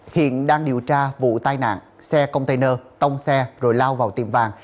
hiện đang điều tra vụ tai nạn xe container tông xe rồi lao vào tiệm vàng